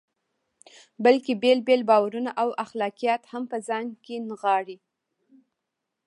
بلکې بېلابېل باورونه او اخلاقیات هم په ځان کې نغاړي.